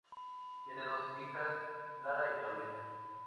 Tiene dos hijas, Clara y Carolina.